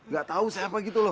gak tahu siapa gitu loh